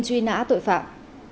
truy nã tội phạm